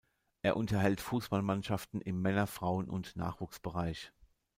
Er unterhält Fußballmannschaften im Männer-, Frauen- und Nachwuchsbereich.